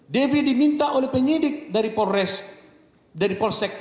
devi diminta oleh penyidik dari polsek